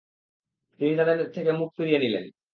তিনি তাদের থেকে মুখ ফিরিয়ে নিলেন।